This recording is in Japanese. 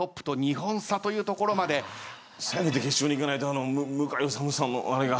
せめて決勝に行かないと向井理さんのあれが。